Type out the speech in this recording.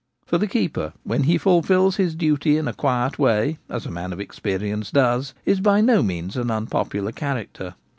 For the keeper, when he ful fils his duty in a quiet way as a man of experience does, is by no means an unpopular character.